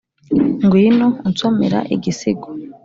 ngwino, unsomera igisigo,